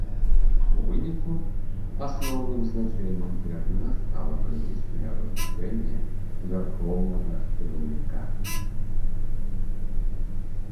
У выніку, асноўным значэннем тэрміна стала палітычнае абазначэнне вярхоўнага кіраўніка.